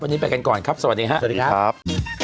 วันนี้ไปกันก่อนครับสวัสดีครับ